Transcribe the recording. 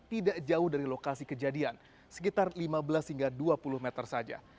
tidak jauh dari lokasi kejadian sekitar lima belas hingga dua puluh meter saja